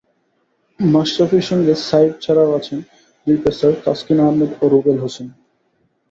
মাশরাফির সঙ্গে সাইফ ছাড়াও আছেন দুই পেসার তাসকিন আহমেদ ও রুবেল হোসেন।